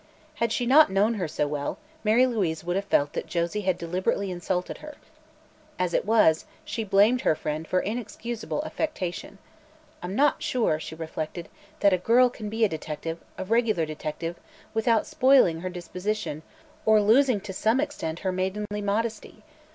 Had she not known her so well, Mary Louise would have felt that Josie had deliberately insulted her. As it was, she blamed her friend for inexcusable affectation. "I'm not sure," she reflected, "that a girl can be a detective a regular detective without spoiling her disposition or losing to some an extent her maidenly modesty.